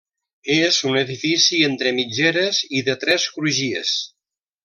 És un edifici entre mitgeres i de tres crugies.